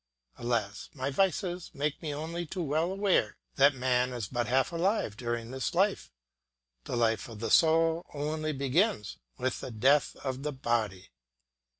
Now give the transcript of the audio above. Alas! my vices make me only too well aware that man is but half alive during this life; the life of the soul only begins with the death of the body.